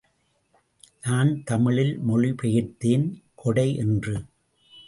நான் தமிழில் மொழி பெயர்த்தேன் கொடை என்று.